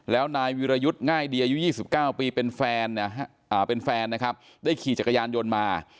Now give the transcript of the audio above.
แล้วนายวิรยุทธ์ง่ายดีอายุ๒๙ปีเป็นแฟนเป็นแฟนนะครับได้ขี่จักรยานยนต์มา